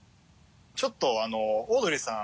ちょっとオードリーさん。